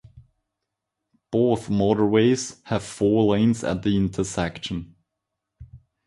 Both motorways have four lanes at the intersection.